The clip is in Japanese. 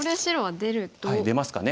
出ますかね。